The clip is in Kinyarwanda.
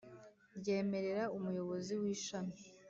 Ryemerera umuyobozi w ishami